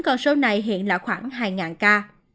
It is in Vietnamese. con số này hiện là khoảng hai ca